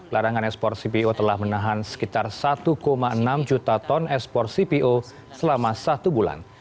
larangan ekspor cpo telah menahan sekitar satu enam juta ton ekspor cpo selama satu bulan